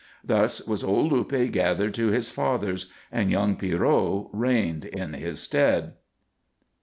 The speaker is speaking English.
Thus was old Luppe gathered to his fathers and young Pierrot reigned in his stead.